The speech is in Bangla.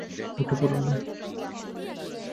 উঠে পড়ুন, ভাই।